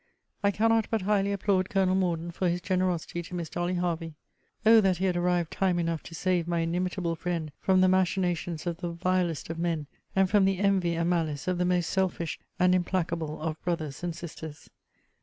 I cannot but highly applaud Colonel Morden for his generosity to Miss Dolly Hervey. O that he had arrived time enough to save my inimitable friend from the machinations of the vilest of men, and from the envy and malice of the most selfish and implacable of brothers and sisters!